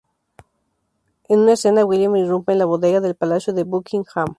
En una escena, William irrumpe en la bodega del Palacio de Buckingham.